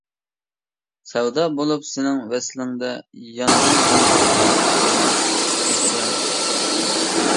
سەۋدا بولۇپ سېنىڭ ۋەسلىڭدە، ياندى دىلدا يىقىلماس ئىسيان.